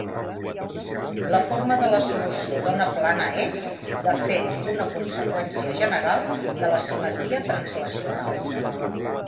La forma de la solució d'ona plana és, de fet, una conseqüència general de la simetria translacional.